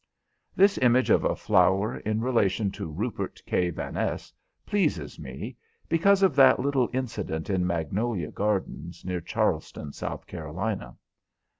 This image of a flower in relation to Rupert K. Vaness pleases me, because of that little incident in Magnolia Gardens, near Charleston, South Carolina.